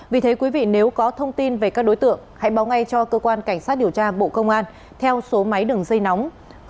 vì thế quý vị nếu có thông tin về các đối tượng hãy báo ngay cho cơ quan cảnh sát điều tra bộ công an theo số máy đường dây nóng sáu mươi chín hai trăm ba mươi bốn năm nghìn tám trăm sáu mươi